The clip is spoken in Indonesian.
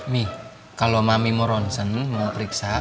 nih kalau mami mau ronsen mau periksa